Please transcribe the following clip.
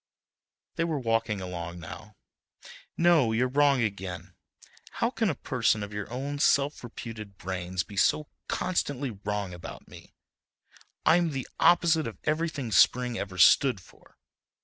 They were walking along now. "No—you're wrong again, how can a person of your own self reputed brains be so constantly wrong about me? I'm the opposite of everything spring ever stood for.